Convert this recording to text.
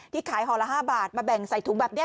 ขายห่อละ๕บาทมาแบ่งใส่ถุงแบบนี้